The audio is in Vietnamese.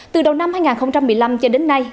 từ đầu năm hai nghìn một mươi năm cho đến nay